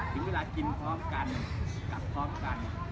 ถึงเวลากินพร้อมกันกลับพร้อมกัน